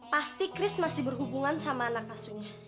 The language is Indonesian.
pasti kris masih berhubungan sama anak asunya